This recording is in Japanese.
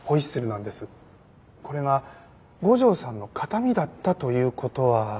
これが五条さんの形見だったという事は？